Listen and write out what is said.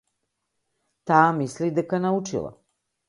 Таа мисли дека научила.